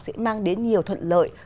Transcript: sẽ mang đến nhiều thuận lợi